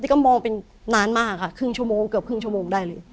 ก็มองเป็นนานมากค่ะครึ่งชั่วโมงเกือบครึ่งชั่วโมงได้เลย